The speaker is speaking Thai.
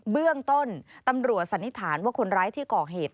เบื้องต้นตำรวจสันนิษฐานว่าคนร้ายที่ก่อเหตุ